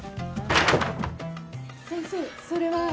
先生それは？